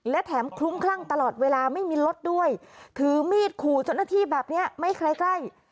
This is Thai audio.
และแถมคลุ้มคลั่งตลอดเวลาไม่มีรถด้วยถือมีดขู่เจ้าหน้าที่แบบนี้ไม่ไกลใกล้